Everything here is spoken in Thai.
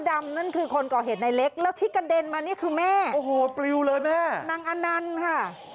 ดำนั่นผิวก็เหตุไหนเล็กแล้วที่กระเด็นมันนี่คือแม่โหบรีอยู่เลยแม่นังอันนั่นค่ะ